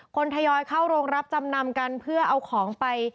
ทยอยเข้าโรงรับจำนำกันเพื่อเอาของไป